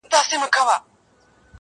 • داده ميني ښار وچاته څه وركوي.